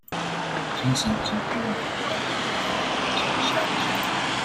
精神疾病罹患率也能明顯下降